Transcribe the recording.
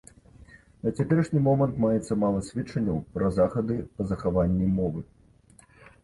На цяперашні момант маецца мала сведчанняў пра захады па захаванні мовы.